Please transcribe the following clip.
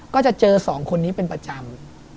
ก็จะเจอสองคนนี้เป็นประจำ